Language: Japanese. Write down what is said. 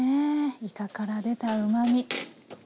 いかから出たうまみ。